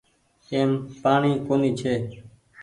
ايم پآڻيٚ ڪونيٚ ڇي۔